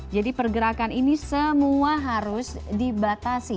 jadi pergerakan ini semua harus dibatasi